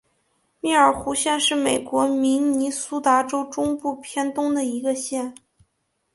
密尔湖县是美国明尼苏达州中部偏东的一个县。